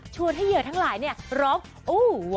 ชวนให้เยอะทั้งหลายเนี่ยรอบอูววววววว